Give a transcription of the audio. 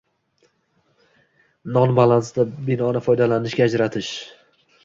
Nol balansda binoni foydalanishga ajratish.